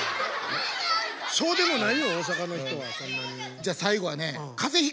じゃあ最後はね